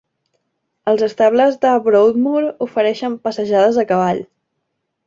Els estables al Broadmoor ofereixen passejades a cavall.